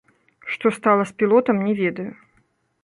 Што стала з пілотам, не ведаю.